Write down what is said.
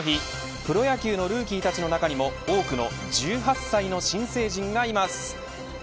プロ野球のルーキーたちの中にも多くの１８歳の新成人がいます。